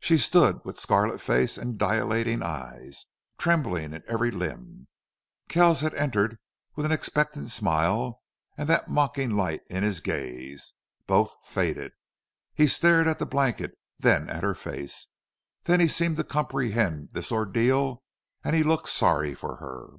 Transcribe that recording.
She stood with scarlet face and dilating eyes, trembling in every limb. Kells had entered with an expectant smile and that mocking light in his gaze. Both faded. He stared at the blanket then at her face. Then he seemed to comprehend this ordeal. And he looked sorry for her.